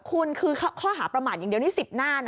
คุณคือข้อหาประมาทอย่างเดียวนี่๑๐หน้านะ